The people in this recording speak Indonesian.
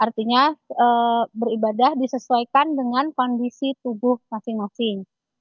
artinya beribadah disesuaikan dengan kondisi tubuh masing masing